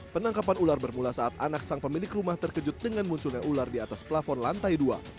penangkapan ular bermula saat anak sang pemilik rumah terkejut dengan munculnya ular di atas plafon lantai dua